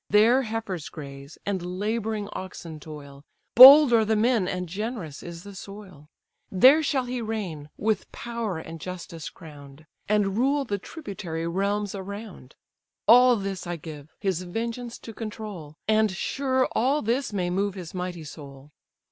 There heifers graze, and labouring oxen toil; Bold are the men, and generous is the soil; There shall he reign, with power and justice crown'd, And rule the tributary realms around. All this I give, his vengeance to control, And sure all this may move his mighty soul.